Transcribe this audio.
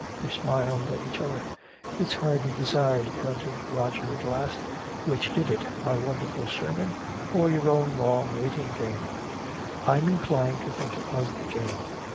They smiled at each other. "It's hard to decide," grunted Roger at last. "Which did it my wonderful sermon or your own long waiting game? I'm inclined to think it was the game.